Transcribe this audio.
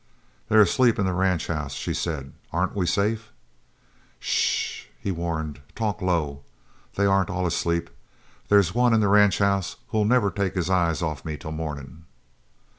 "They're asleep in the ranch house," she said. "Aren't we safe?" "S sh!" he warned. "Talk low! They aren't all asleep. There's one in the ranch house who'll never take his eyes off me till morning."